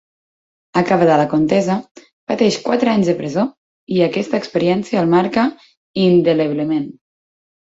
Acabada la contesa, pateix quatre anys de presó, i aquesta experiència el marca indeleblement.